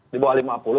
di bawah lima puluh